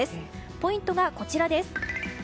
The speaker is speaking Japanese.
ポイントがこちらです。